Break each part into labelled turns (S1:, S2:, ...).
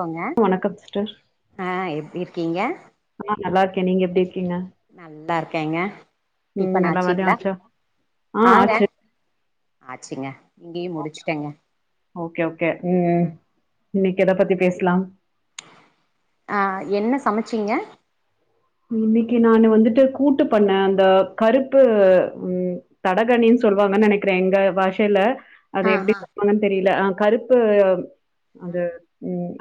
S1: போங்க
S2: வணக்கம்
S1: ஆஹ் எப்டி இ இருக்கீங்க
S2: ஆஹ் நல்லா இருக்கேன் நீங்க எப்படி இரு
S1: நல்லா இரு க்கேங்க
S2: உம் எல்லா வேலையு ஆச்சோ ஆஹ் ஆச்சு
S1: ஆச்சிங்க இங்கேயும் முடிச்சுட்டேங்க
S2: ஓகே ஓகே உம் இன்னைக்கு எத பத்தி பேசலாம்
S1: ஆஹ் என்ன சமைச்சீங்க
S2: இன்னைக்கு நானு வந்துட்டு கூட்டு பண்ணே அந்த கருப்பு உம் தடகணின்னு சொல்லுவாங்கன் நெனைக்கிறே எங்க பாஷையில அது
S1: ஆ
S2: எப்படி
S1: ஆ
S2: [unintelligible] தெரியல அஹ் பருப்பு அது உம்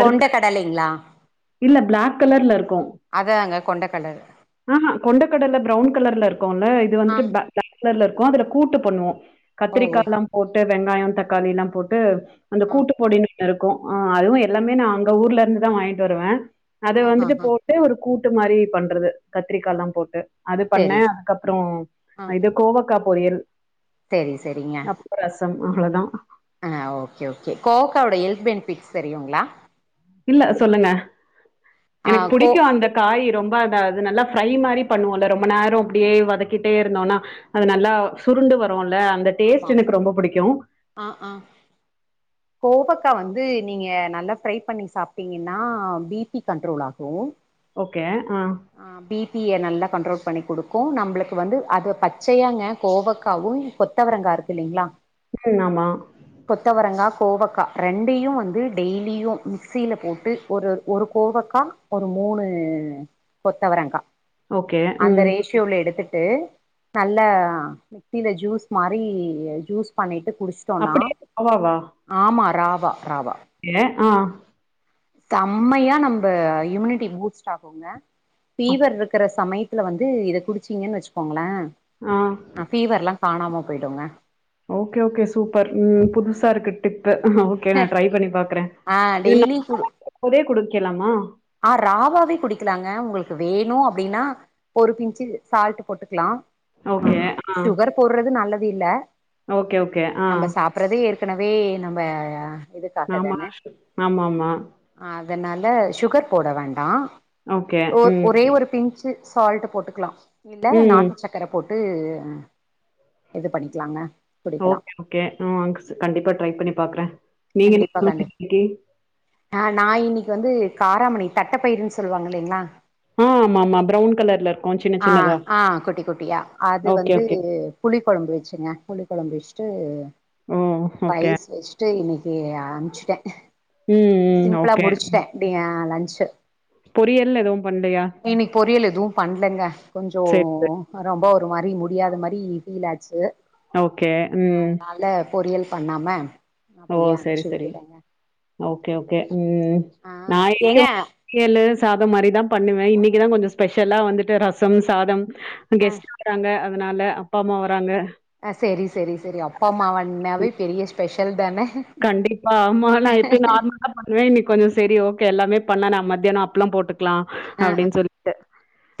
S1: கொண்ட கடலைங்களா
S2: இல்ல பிளாக் கலர்ல இருக் கு
S1: அதாங்க கொண்ட கடல
S2: ஆஹா கொண்ட கடல பிரவுன் கலர்ல இருக்குல்ல இது
S1: ஆ
S2: வந்துட்டு ப பிளாக் கலர்ல இரு கு அதுல கூட்டு பண்ணுவோம்
S1: ஓ
S2: கத்திரிக்கா எல்லா போட்டு வெங்காயம் தக்காளில்லா போட்டு அந்த
S1: ஆ
S2: கூட்டு பொடினு இருக்கு ஆஹ் அதுவு எல்லாமே நா அங்க ஊர்ல இருந்து தா வாங்கி வருவே அத
S1: ஆ ஆ
S2: வந்துட்டு
S1: ஆ
S2: போட்டு ஒரு கூட் ட்டு மாதிரி பண்றது கத்திரிக்காலா போட்டு அது பண்ணே
S1: செரி
S2: அதுக்கப்புறம் இது கோவக்கா பொரியல்
S1: சரி சரிங்க
S2: அவ்ளதா
S1: ஆ ஓகே ஓகே கோவக்காவோட ஹெல்த் பெனிபிட்ஸ் தெரியுங்களா
S2: இல்ல சொல்லுங்க
S1: ஆ
S2: எனக்கு
S1: கோ
S2: புடிக்கு அந்த காய் ரொம் [unintelligible] அது நல்லா ப்ரை மாரி பண்ணுவோல ரொம்ப நேரம் அப்படியே வதக்கிட்டே இருந்தோனா அது நல்லா சுருண்டு வருல்ல அந்த
S1: ஆமா
S2: டேஸ்ட்
S1: ஆமா
S2: எனக்கு ரொம்ப புடிக்கு
S1: க்கா வந்து நீங்க நல்லா ஃப்ரை பண்ணி சாப்ட்டீங்கன்னா பி பி கண்ட்ரோல் ஆகும்
S2: கே
S1: ஆஹ் பி பி-ய நல்லா கண்ட்ரோல் பண்ணி குடுக்கு நம்மளுக்கு வந்து அது பச்சையாங்க கோவக்காவு கொத்தவரங்கா இருக்கு இல்லைங்களா
S2: ம். ஆமா.
S1: கொத்தவரங்கா கோவக்கா ரெண்டையு வந்து டெய்லியு மிக்சியில போட்டு ஒரு ஒரு கோவக்கா ஒரு மூணு கொத்தவரங்கா
S2: ஓகே.
S1: அந்த
S2: ம்.
S1: ரேஷியோல எடுத்து து நல்ல மிக்சில ஜூஸ் மாரி ஜூஸ் பண்ணிட்டு குடிச்சிட்டோனா
S2: அப்படியே
S1: ஆமா ராவா ராவா
S2: ஏ ஆஹ்
S1: செம்மையா நம்ம இம்யூனிட்டி பூஸ்ட் ஆகுங்க
S2: அப்
S1: பீவர் இருக்கிற சமை ல வந்து இத குடிச்சீங்கன்னு வெச்சுக்கோங்களேன்
S2: ஆ.
S1: ஆஹ் பீவர் எல்லாம் காணாம போய்டுங்க
S2: ஓகே ஓகே சூப்பர் உம் புதுசா இருக்கு டிப் இது ஓகே நான் ட்ரை பண்ணி பாக்குறேன்
S1: ஆ
S2: இதுனா இதே குடு கேலாமா
S1: ஆஹ் ராவாவே குடிக்கலாங்க உங்களுக்கு வேணும் அப்படின்னா பொறு பிஞ்சு சால்ட் போட்டுக்கலாம்
S2: ஓகே.
S1: ஆஹ்
S2: ஆ.
S1: சுகர் போடுறது நல்லது வில
S2: ஓகே ஓகே ஆஹ்
S1: ஏற்கனவே நம்ம இதுக்காக
S2: ஆமா
S1: தானே
S2: ஆமாமா
S1: அதனால சுகர் போட வேண்டாம்
S2: ஓகே.
S1: ஒ
S2: ம்.
S1: ஒரே ஒரு பிஞ்சு சால்ட் போட்டுக்கலாம் இல்ல
S2: ம்.
S1: நாட்டு சக்கர போட்டு எது பண்ணிக்கலாங்க குடிக்கலா
S2: ஓகே ஓகே ம் கண்டிப்பா ட்ரை பண்ணி பாக்குறேன் நீங்க என்ன [unintelligible]
S1: ஹ நான் இன்னைக்கு வந்து காராமணி தட்டப்பயிருன்னு சொல்லுவாங்க இல்லலைங்களா
S2: ஆஹ் ஆமா ஆமா பிரவுன் கலர்ல இருக்கும் சின்ன
S1: ஆ
S2: சின்னதா
S1: ஆ குட்டி குட்டியா அது
S2: ஓகே
S1: வந்து
S2: ஓகே
S1: புளி கொழம்பு வெச்சுங்க புளி கொழம்பு வெச்சுட்டு
S2: ஓ! ஓகே.
S1: பயசு எஷ்டு இன்னைக்கு ஓகே ஆரம்பிச்சுட்டேன்
S2: ம், ம்.
S1: சிம்பிளா முடிச்சுட்டேன் அப்படி லஞ்ச் ச்சு
S2: பொறியல்னு எதுவும் பண்லையா
S1: எதுவும் பண்ணலங்க
S2: சேரி
S1: கொஞ்சோம்
S2: சேரி
S1: [unintelligible] ரொம்ப ஒரு மாதிரி முடியாத மாதிரி ஃபீல் ஆச்சு
S2: ஓகே உம்
S1: அதனால பொரியல் பண்ணாம
S2: ஓ
S1: அப்டியே
S2: செரி
S1: அனுப்ச்சு
S2: செரி
S1: விட்டுட்டேங்க
S2: ஓகே ஓகே உம்
S1: ஆ
S2: நாளைக்கி
S1: ஏங்க
S2: புயலு சாதோ மாரிதா பண்ணுவே இன்னைக்கிதா கொஞ்சோ ஸ்பெஷலா வந்துட்டு ரசம் சாதம் கெஸ்ட் வறாங்க அதா அதனால அப்பா அம்மா வராங்க
S1: அ செரி செரி செரி அப்பா அம்மாவந்னாவே பெரிய ஸ்பெஷல் தானே
S2: கண்டிப்பா ஆமா நா எப்பயு நார்மலா பண்ணுவே இன்னைக்கி கொஞ்சோ செரி ஓகே எல்லாமே பண்ணலான்னு மத்தியானோ அப்பளம் போட்டு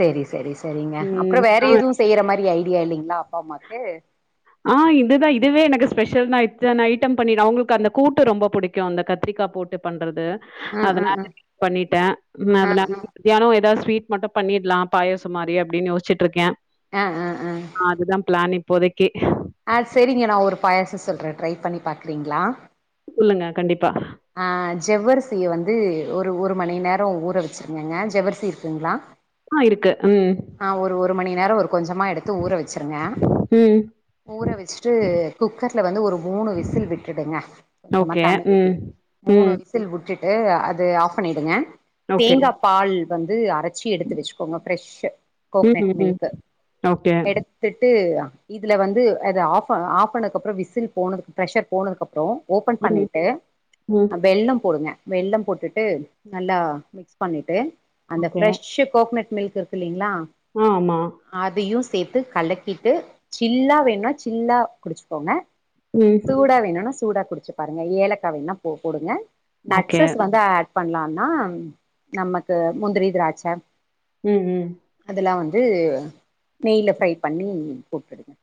S1: சரி சரி சரிங்க அப்பறோ
S2: ம்
S1: வேற
S2: ஆ
S1: எதுவும் செய்யற மாரி ஐ அப்டியா இல்லங்களா அப்பா அம்மாக்கு
S2: ஆ இதுதா இதுவே எனக்கு ஸ்பெஷல்தா இத்தன ஐட்டம் பண்ணிட்டு அவுங்களுக்கு அந்த கூட்டு ரொம்ப புடிக்கும் அந்த கத்திரிக்கா போட்டு பண்றது
S1: ஆ ஆ
S2: அதனால
S1: ஆ
S2: பண்ணிட்டே
S1: ஆ
S2: அதனால
S1: ஆ
S2: மத்தியானோ எதாவது சொல் ஸ்வீட் மட்டு பண்ணிட்லா பாயசோ மாரி அப்டின்னு யோச்சுட்டுருக்கே
S1: அ அ அ
S2: இப்போதைக் கே
S1: ஆ சரிங்க நா ஒரு பாயசோ சொல்றே ட்ரை பண்ணி பாக்குறீங்களா
S2: சொல்லுங்க கண்டிப்பா.
S1: ஆ ஜவ்வரிசிய வந்து ஒரு ஒரு மணி நேரோ ஊற வச்சுருக்கேங்க ஜெவர்சி இருக்குங்களா
S2: ஆ இருக்கு உம்
S1: ஆ ஒரு ஒரு மணி நேரோ இருக் கொஞ்சமா எடுத்து ஊற வச்சுருங்க
S2: ம்.
S1: ஊற வச்சுட்டு குக்கர்ல வந்து ஒரு மூணு விசில் விட்டுடுங்க கொஞ்சமா
S2: ஓகே.
S1: தண்ணி ஊத்தி
S2: ம்.
S1: மூணு
S2: ம்.
S1: விசில் விட் விட்டிட்டு அது ஆஃப் பண்ணிடுங்க
S2: ஓகே.
S1: தேங்கா பால் வந்து அரைச்சு எடுத்து வச்சுக்கோங்க ப்ரெஷ் கோக்னட்
S2: ம். ம்.
S1: Milk
S2: okay.
S1: எடுத்துட்டு இதுல வந்து அத ஆஃப் ஆஃப் பண்ணதுக்கு அப்பறோ விசில் போனது ப்ரெஷர் போனதுக்கப்பறோம் ஓப்பன்
S2: ம்.
S1: பண்ணிட்டு
S2: ம்.
S1: வெல்லம் போடுங்க வெள்ளம் போட்டுட்டு நல்லா மிக்ஸ் பண்ணிட்டு அந்த
S2: ஓகே.
S1: ஃப்ரெஷ் கோக்னட் மில்க் இருக்குலிங் லா
S2: ஆ ஆமா.
S1: அதையு சே சேத்து கலக்கிட்டு சில்லா வேணுன்னா சில்லா குடிச்சுகோங்க
S2: ம்.
S1: சூடா வேணுனுனா சூடா குடிச்சி பாருங்கா ஏலக்கா வேனுன்னா போ போடுங்க
S2: ஓகே.
S1: நட்சஸ் வந்து ஆட் பண்ணலாம்னா நமக்கு முந்திரி திராட்சை
S2: ம் ம்
S1: வந்து நெய்யில ஃப்ரை பண்ணி போட்டுதுங்க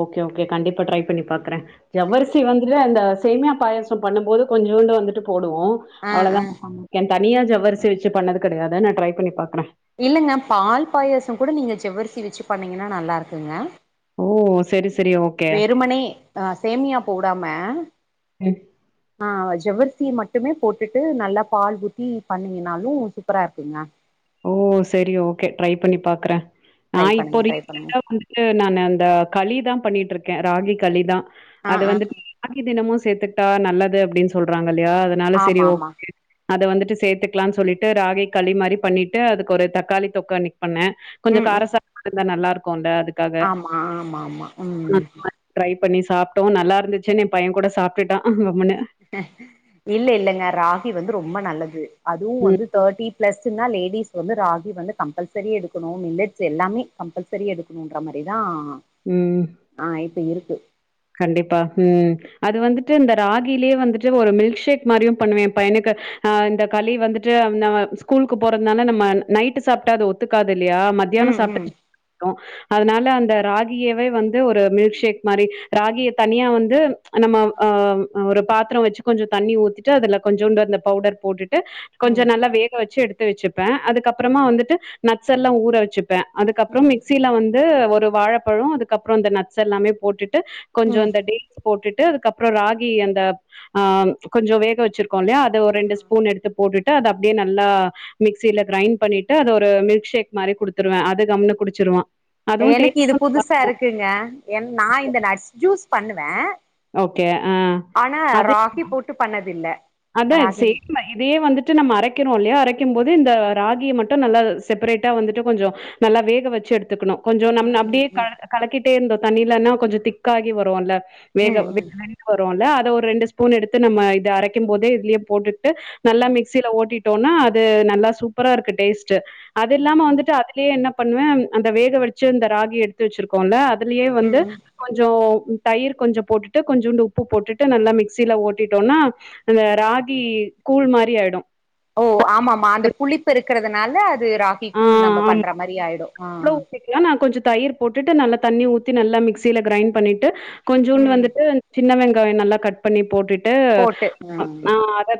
S2: ஓகே ஒகே கண்டிப்பா ட்ரை பண்ணி பாக்குறேன் ஜவ்வரசி வந்து இல்ல அந்த சேமியா பாயாசம் பண்ணும் போது கொஞ்சூண்டு வந்துட்டு போ டுவோம்
S1: ஆ ஆ
S2: அவ்வளவுதான் [unintelligible] தனியா ஜவ்வரிசி வச்சு பண்ணது கெடையாது நான் ட்ரை பண்ண பாக்கறேன்
S1: இல்லங்க பால் பாயசம் கூட நீங்க ஜவ்வரிசி வச்சு பன்னீங்கன்னா நல்லா இருக்குங்க
S2: ஓ செரி செ
S1: வெறுமணே ஆ சேமியா போடாம
S2: ம்
S1: ஆ ஜவ்வரிசி மட்டுமே போட்டுட்டு நல்லா பால் ஊத்தி பண்ணீங்கினாலும் சூப்பரா இருக்குங்க
S2: ஓ சரி ஓகே ட்ரை பண்ணி பாக்குறேன்
S1: ட்ரை
S2: நான் இப்போ
S1: பண்ணுங்க ட்ரை பண்ணுங்க
S2: ரீசன்டா வந்துட்டு நான் அந்த களி தான் பண்ணிட்டு இருக்கேன் ராகி களி தான்
S1: ஆ
S2: அது
S1: ஆ
S2: வந்துட்டு [unintelligible] ஆ நம சேர்த்துட்டா நல்லது அப்டின்னு சொல்றாங்க அப்படியா அதனால சரி
S1: ஆமா
S2: ஓ
S1: ஆமா
S2: அது வந்துட்டு சேர்த்துக்கலாம்னு சொல்லிட்டு ராகி களி மாதிரி பண்ணிட்டு ட்டு அதுக்கு ஒரு தக்காளி தொக்கானி பண்ணேன் கொஞ்சம்
S1: ம் ம்
S2: காரசா இருந்தா நல்லா இருக்கும் கொண்டா
S1: ஆமா ஆமாமா ம்
S2: ட்ரை பண்ணி சாப்பிட்டோம் நல்லா இருந்துச்சுன்னு என் பையன் கூட சாப்பிட்டுடான்
S1: இல்ல இல்லைங்க ராகி வந்து ரொம்ப நல்லது அதுவும்
S2: ம்,
S1: வந்து தேர்ட்டி ப்ளஸ்னா லேடிஸ் வந்து ராகி வந்து கம்பல்சரி எடுக்கணும் மில்லட்ஸ் எல்லாமே கம்பல்சரி எடுக்கணுன்ற மாதிரி தான்
S2: ம்.
S1: ஆஹ் இப்ப இருக்கு
S2: கண்டிப்பா ம் அது வந்துட்டு இந்த ராகிலயே வந்துட்டு ஒரு மில்க் ஷேக் மாதிரியும் பண்ணுவேன் என் பையனுக்கு அஹ் இந்த களி வந்துட்டு அந்த ஸ்கூலுக்கு போறதுனால நம்ம நைட்டு சாப்பிட்டா அது ஒத்துக்காது இல்லையா மத்தியானம்
S1: ம் ம்
S2: சாப்பிட்டு இரு அதனால அந்த ராகியவே வந்து ஒரு மில்க்ஷேக் மாதிரி ராகிய தனியா வந்து நம்ம ஆ ஒரு பாத்தர வச்சு கொஞ்சோ தண்ணி ஊத்திட்டு அதுல கொஞ்சோண்டு அந்த பவுடர் போட்டுட்டு கொஞ்ச
S1: ம்
S2: நல்லா வேக வச்சு எடுத்து த்து வச்சுப்பே
S1: ம்
S2: அதுக்கப்பறமா வந்துட்டு நட்ஸ்ஸெல்லா ஊற வச்சுப் ப்ப அதுக்கப்பறம்
S1: ம்
S2: மிக்சியில வந் து ஒரு வாழப்பழ அதுக்கப்பற இந்த நடஸ் எல்லாமே போட்டுட்டு கொஞ்சோ
S1: ம்
S2: அந்த டேட்ஸ் போட்டுட்டு அதுக்கப்ற ராகி அந்த ஆ கொஞ்சோ வேக வச்சிருக்கோ இல்லையா த ஒரு ரெண்டு ஸ்பூன் எடுத்து போட்டுட்டு ட்டு அத அப்டியே நல்லா மிக்சியில கிரைண்ட் பண்ணிட்டு அத ஒரு மில்க் ஷேக் மாரி குடுத்துருவே அத கம்முன்னு குடிச்சிருவா அதுவும் டே
S1: எனக்கு இது புதுசா இருக்குங்க என் நா இந்த நட்ஸ் ஜூஸ் பண்ணுவே
S2: ஓகே. ஆ.
S1: ஆனா ராகி போட்டு பண்ணதில்ல
S2: அதா
S1: ராகி
S2: [unintelligible] இதே வந்துட்டு நம்ம அரைக்கிறோயில்லையா அரைக்கும் போது இந்த ராகியை மட்டு நல்லா செப்பரேட்டா வந்துட்டு கொஞ்சோ நல்லா வேக வச்சு எடுத்துக்கணு கொஞ்சோ நம்ன
S1: ம் ம்
S2: அப்டியே
S1: ம்
S2: கலக்க கலக்கிட்டேருந்த தண்ணியில்லன்னா கொஞ்சோ திக்காகி வருவல்ல வேக
S1: ம் ம்
S2: [unintelligible] வருவல்ல அது ஒரு ரெண்டு ஸ்பூன் எடுத்து நம்ம இத அரைக் க்கும்போதே இதுலயே போட்டுட் டு நல்லா
S1: ம்
S2: மிக்சியில ஓட்டிட் போனா அது நல்லா சூப்பரா இருக்கு டேஸ்ட்டு அது இல்லாம
S1: ம்
S2: வந்துட்டு அதுலயே என்னப் பண்ணுவே அந்த வேகவச்சு அந்த ராகிய எடுத்து வச்சிருக்கோல்ல அதுலயே
S1: ம்
S2: வந்து
S1: ம்
S2: கொஞ்சோ உப் தயிர் கொஞ்சோ போட்டுட்டு கொஞ்சோண்டு உப்பு போட்டுட்டு நல்லா மிக்சியில ஓட்டிட்டோன்னா ஆ ராகி கூழ் மாரி ஆயிடு
S1: ஓ ஆமாமா அந்த புளிப்பு இருக்கிறதுனால அது ராகி
S2: ஆ
S1: கூழ் நம்ம
S2: ஆமா
S1: பண்ற மாரி ஆயிடு ஆ
S2: [unintelligible] நா கொஞ்ச தயிர் போட்டுட்டு நல்லா தண்ணி ஊத்தி நல்லா மிக்சியில கிரைண்ட் பண்ணிட்டு கொஞ்சோண்டு
S1: ம்
S2: வந்துட்டு சின்ன வெங்காய கய நல்லா கட் பண்ணி போட்டுட்
S1: போட்டு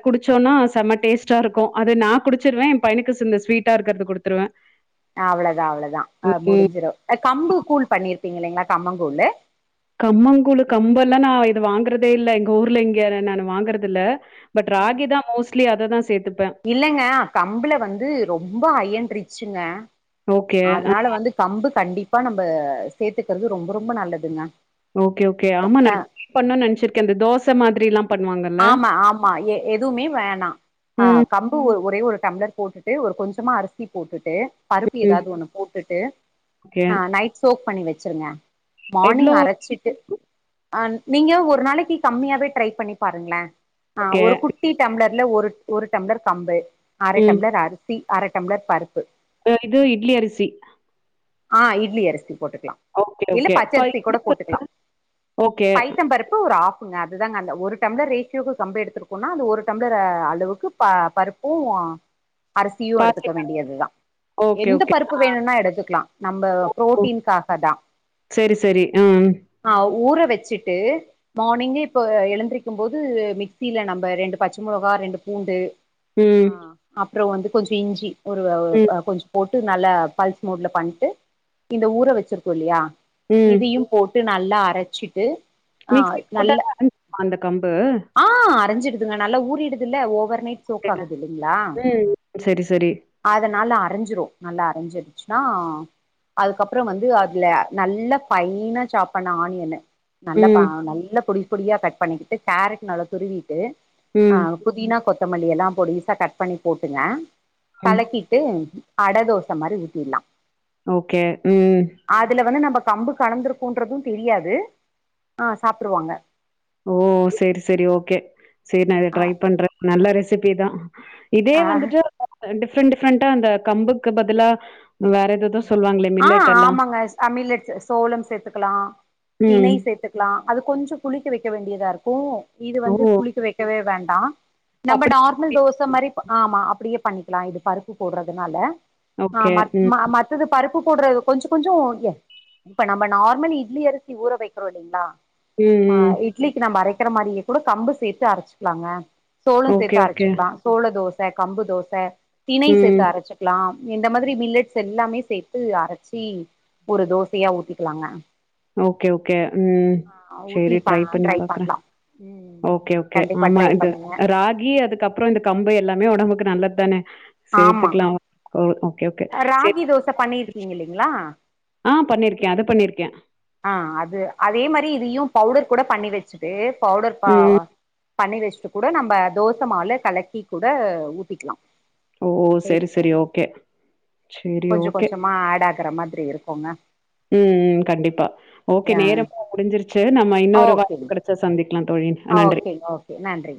S2: குடிச்சோன்னா செம டேஸ்ட்டாருக்கு அது நா குடிச்சிருவே எ பையனுக்கு சிந்த ஸ்வீட்டா இருக்கிறது குடுத் துருவே
S1: அவ்ளதா அவ்ளதா ஆ முடிஞ்சிடோ கம்பு கூழ் பண்ணிருப்பீங்க இல்லைங்களா கம்மங்கூழு
S2: கம்மங்கூழு கம்பெல்லா நா இது வாங்கறதே இல்லலை எங்க ஊர்ல இங்க நானு வாங்கறது இல்ல பட்
S1: ம்
S2: ராகி தா மோஸ்லி அததா சேத்துப்
S1: இல்லங்க கம்புள வந்து ரொம்ப அயன் ரிச்சுங்க
S2: ஓகே
S1: அதனால வந்து கம்பு கண்டிப்பா நம்ம சேர்த்துக்குறது ரொம்ப ரொம்ப நல்லதுங்க
S2: ஓகே ஓகே ஆமா நா [inaudible] நெனைச்சிருக்க அந்த தோசை மாதிரில்லா பண்ணுவாங்கல்ல
S1: ஆமா ஆமா எதுவுமே வேணா ஆ
S2: ம்
S1: கம்பு ஒரு ஒரே ஒரு டம்ளர் போட்டுட்டு ஒரு கொஞ்சமா அரிசி போட்டுட்டு பருப்பு
S2: ம்
S1: ஏதாவது ஒண்ணு போட்டுட்டு
S2: ஓகே
S1: ஆ நைட் சோக் பண்ணி வெச் வெச்சுருங்க மார்னிங்
S2: எவ்ளோ
S1: அரச்சிட்டு நீங்க ஒரு நாளைக்கு கம்மியாவே ட்ரை பண்ணி பாருங்கள ஆ
S2: ஓகே
S1: ஒரு குட்டி டம்ளர் ஒரு ஒரு டம்ளர் கம்பு அர
S2: ம்
S1: டம்ளர் அரிசி அர டம்ளர் பருப்பு
S2: இது இட்லி அரிசி
S1: அ இட்லி அரிசி போட்டுக்கலா
S2: ஓகே
S1: இல்ல
S2: ஓகே ப
S1: பச்சரிசி கூட
S2: இந்த ப
S1: போட்டுக்கலா
S2: ஓகே
S1: பைத்தம் பருப்பு ஒரு ஆஃப் அதுதாங்க அந்த ஒரு டம்ளர் ரேஷியோக்கு கம்ப எடுத்திருக்கோனா அந்த ஒரு டம்ளர் அளவுக்கு ப பருப்பும் அரிசியும் எடுத்துக்க
S2: பாசிப்பருப்பு
S1: வேண்டியதுதா
S2: ஓகே
S1: எந்த
S2: ஓகே
S1: பருப்பு
S2: ஆ
S1: வேணும்னா எடுத்துக்கலா நம்ம
S2: ஓ ஓ
S1: புரோட்டீன்காகதா
S2: செரி செரி ம்
S1: ஆ ஊற வெச்சுட்டு மார்னிங்கு இப்போ எழுந்திருக்க க்கும் போது மிக்சியில நம்ம ரெண்டு பச்ச மிளகா ரெண்டு பூண்டு அ
S2: ம்
S1: அப் றோ வந்து கொஞ்சோ இஞ்சி ஒரு வே
S2: ம்
S1: கொஞ்சோ போட் இது நல்லா பல்ஸ் மோட்ல பண்ணிட்டு இந்த ஊர வெச்சிருக்கோ இல்லயா
S2: ம்
S1: இதையு போட் விட்டு நல்லா அரச்சிட்டு ஆ
S2: மிக்ஸில
S1: நல்ல
S2: போட்டாங்க ஐஞ் அந்த கம்பு
S1: ஆ அரஞ்சிடுதுங்க நல்லா ஊரிடுதுல ஓவர் நைட் சோக்காகுது இல்லங்களா
S2: ம் செரி செரி
S1: அதனால நல்ல அரைஞ்சிர நல்லா அரைஞ்சிருச்சுன்னா அதுக்கப்பறம் வந்து அதுல நல்லா பைனா சாப்பான ஆனியன் நல்ல பா
S2: ம்
S1: நல்ல புடி போடியா கட் பண்ணிக்கிட்டு கேரட் நல்லா துருவிட்டு ஆ
S2: ம்
S1: புதினா கொத் கொத்தமல்லி எல்லாம் பொடிசா கட் பண்ணி போட்டுங்க
S2: ம்
S1: கலக்கிட்டு அட தோசை மாரி ஊத்திருலாம்
S2: ஓகே ம்
S1: வந்து நம்ம கம்பு கலந்திருக்கும்ன்றதும் தெரியாது ஆ சாப்படுவாங்க
S2: ஓ சேரி சேரி ஓகே சேரி நா அத
S1: ஆ
S2: ட்ரை பண்றே நல்ல ரெஸ்ட் பி தா இதே
S1: ஆ
S2: வந்துட்டு அ டிஃப்ரெண்ட் டிஃப்ரெண்டா அந்த கம்புக்கு பதிலா வேற எதெதோ
S1: ஆஹ் ஆமாங்க அ மில்லட்டுஸ் சோளம் சேத்துக்கலா திணை
S2: ம்
S1: சேத்துக்லா அது கொஞ்ச புளிக்க வைக் க்க வேண்டியதாருக்கு இது வந்து
S2: ஓ
S1: புளிக்க வைக்கவே வண் டா நம்ம
S2: அப்படி
S1: நார்மல் தோச மாரி ப ஆமா அப்படியே பண்ணிக் ள இது பருப்பு போட்றதுனால ஆ
S2: ஓகே
S1: மத்
S2: ம்
S1: ம மத்தது பருப் உப்பு போட்ற கொஞ்ச கொஞ்ச ஏ இப்ப நம்ம நார்மல் இட்லி அரிசி ஊற வெக்கிறோ இல்லிங்ளா
S2: ம் ம்
S1: ஆஹ் இட்லிக்கு நா மரைக் க்கிற மாரியே கூட கம்பு சேத்து அரச்சுக்லாங்க சோள
S2: ஓகே
S1: சேத்து
S2: ஓகே
S1: அரச்சிக்லா சோள தோ ப்ப கம்பு தோச திணை
S2: ம்
S1: சேர்த்து அரச்சுக்லாம் இந்த மாதிரி மில்லட்ஸ் எல்லாமே செய் த்து அரச்சி ஒரு தோசையா ஊத்திக்லாங்க
S2: ஓகே ஓகே ம்
S1: ஊத்தி
S2: சேரி
S1: ப
S2: ட்ரை பண்ணி பாக்குற
S1: பண்லா ம்
S2: ஓகே ஓகே
S1: கண்டிப்பா
S2: ஆமா
S1: ட்ரை
S2: இது
S1: பண்ணுங்க
S2: ராகி அதுக்கப்ற இந்த கம்பு எல்லாமே ஒடம்புக் நல்ல தானே
S1: ஆமா
S2: சேத்துக்கலா ஓ ஓகே ஓகே சேரி
S1: ராகி தோச பண்ணிருக்கீங் இல்லிங்ளா
S2: ஆஹ் பண்ணிருக்கே அது பண்ணிருக்கே
S1: ஆஹ் அது அதே மாரி இதையு பவுடர் கூட பண்ணி வச்சுட்டு பவுடர்
S2: ம்
S1: பாவா பண்ணி வச்சுட்டு கூட நம்ப தோச மால கலக்கி கூட ஊத்திக்லா
S2: ஓ சரி சரி ஓகே சரி
S1: கொஞ்ச
S2: ஓகே
S1: கொஞ்சமா ஆடாக க்கிற மாதிரி இருக்கும்ங்க
S2: ம் கண்டிப்பா ஓகே நேரமு முடிஞ்சிருச்சு நம்ம இன்னொரு வாய்ப்பு கெடச்சா சந்திக்
S1: அ ஓகேங் ஓகே நன்றி